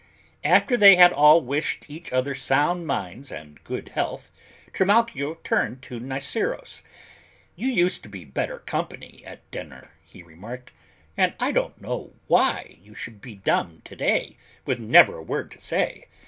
After they had all wished each other sound minds and good health, Trimalchio turned to Niceros. "You used to be better company at dinner," he remarked, "and I don't know why you should be dumb today, with never a word to say.